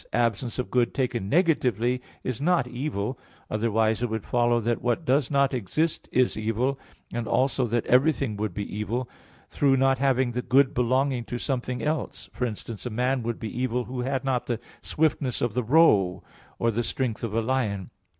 Absence of good, taken negatively, is not evil; otherwise, it would follow that what does not exist is evil, and also that everything would be evil, through not having the good belonging to something else; for instance, a man would be evil who had not the swiftness of the roe, or the strength of a lion.